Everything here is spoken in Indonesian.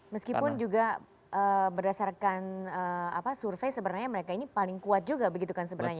meskipun juga berdasarkan survei sebenarnya mereka ini paling kuat juga begitu kan sebenarnya